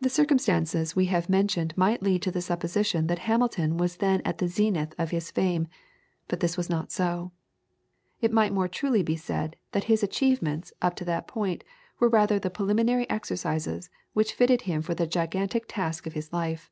The circumstances we have mentioned might lead to the supposition that Hamilton was then at the zenith of his fame but this was not so. It might more truly be said, that his achievements up to this point were rather the preliminary exercises which fitted him for the gigantic task of his life.